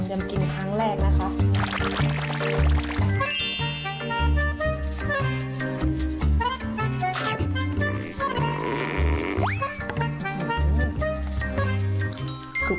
น้ำกิ้นครั้งแรกนะคะ